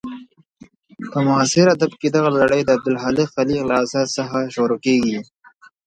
په معاصر ادب کې دغه لړۍ د عبدالخالق خلیق له اثر څخه شروع کېږي.